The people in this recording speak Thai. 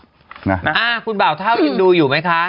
อ่าคุณบ่าวเท่ายังดูอยู่ไหมคะ